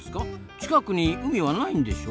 近くに海はないんでしょ？